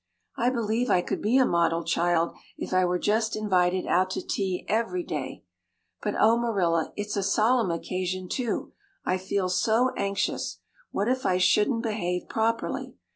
I believe I could be a model child if I were just invited out to tea every day. But oh, Marilla, it's a solemn occasion too. I feel so anxious. What if I shouldn't behave properly?